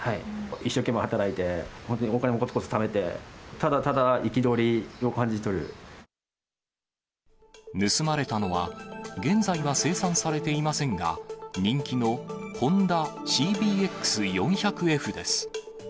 一生懸命働いて、本当にお金もこつこつためて、盗まれたのは、現在は生産されていませんが、人気のホンダＣＢＸ４００Ｆです。